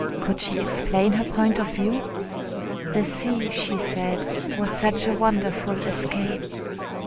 Could she explain her point of view? The sea, she said, was such a wonderful escape....